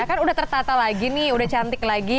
kan udah tertata lagi nih udah cantik lagi